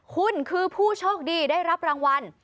คุณคือผู้โชคดีได้รับรางวัล